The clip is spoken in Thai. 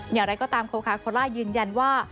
อย่างไรก็ตามโคคาโคล่ายืนยันว่า